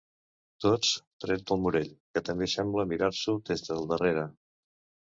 Tots tret del Morell, que també sembla mirar-s'ho des del darrere.